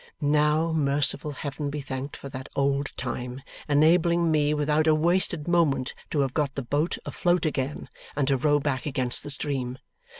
Now, merciful Heaven be thanked for that old time, enabling me, without a wasted moment, to have got the boat afloat again, and to row back against the stream!